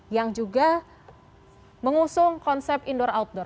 yang juga mengusung konsep indoor outdoor